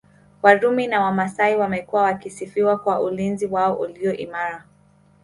Warumi na Wamasai wamekuwa wakisifiwa kwa ulinzi wao ulio imara